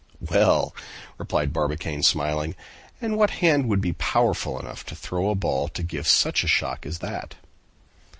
"Well!" replied Barbicane, smiling. "And what hand would be powerful enough to throw a ball to give such a shock as that?"